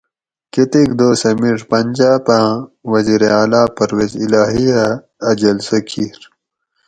کتیک دوسہۤ میڛ پنجاپاۤں وزیر اعلیٰ پرویز الٰہی اۤ اۤ جلسہ کیر